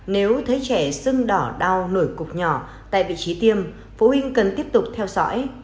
nếu thấy trẻ sưng đỏ đau nổi cục nhỏ tại vị trí tiêm phụ huynh cần tiếp tục theo dõi